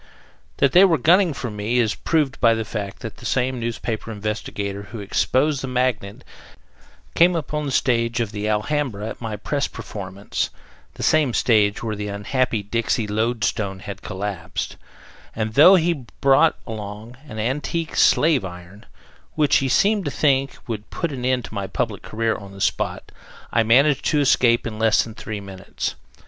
That they were gunning for me is proved by the fact that the same newspaper investigator who exposed the Magnet, came upon the stage of the Alhambra at my press performance the same stage where the unhappy Dixie lode stone had collapsed and though he brought along an antique slave iron, which he seemed to think would put an end to my public career on the spot, I managed to escape in less than three minutes.